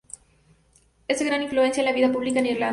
Es de gran influencia en la vida pública en Irlanda.